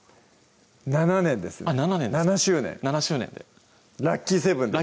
７年ですね７周年７周年でラッキー７です